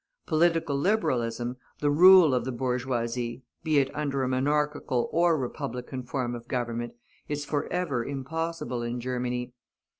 Political Liberalism, the rule of the bourgeoisie, be it under a Monarchical or Republican form of government, is forever impossible in Germany.